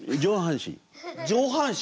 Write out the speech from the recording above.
上半身。